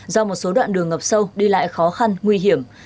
do một số đoạn đường ngập sâu đi lại khó khăn nguy hiểm